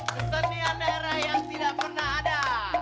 kesenian daerah yang tidak pernah ada